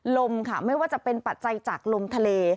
ลมค่ะไม่ว่าจะเป็นปัจจัยจากลมทะเล